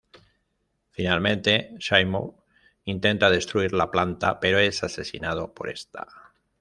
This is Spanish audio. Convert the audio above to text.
Finalmente Seymour intenta destruir la planta pero es asesinado por esta.